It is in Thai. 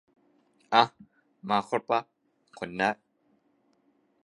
มาครบละ ขนได้